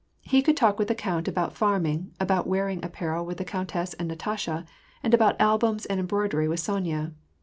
He could talk with the count about farming, about wearing apparel with the countess and Natasha, and about albums and embroidery with Sonya.